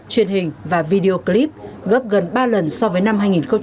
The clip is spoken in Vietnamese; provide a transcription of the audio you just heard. truyền hình và video clip gấp gần ba lần so với năm hai nghìn hai mươi hai